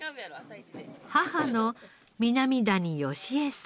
母の南谷良枝さん。